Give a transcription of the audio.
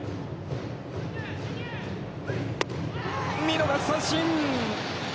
見逃し三振！